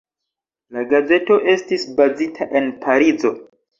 La gazeto estis bazita en Parizo.